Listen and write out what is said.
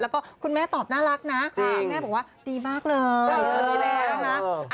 แล้วก็คุณแม่ตอบน่ารักนะคุณแม่บอกว่าดีมากเลยนะคะ